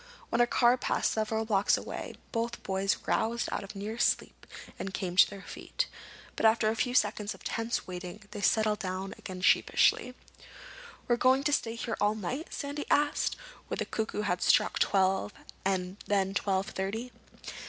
When a car passed several blocks away both boys roused out of a near sleep and came to their feet. But after a few seconds of tense waiting they settled down again sheepishly. "We going to stay here all night?" Sandy asked, when the cuckoo had struck twelve and then twelve thirty.